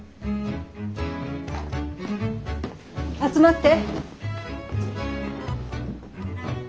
集まって。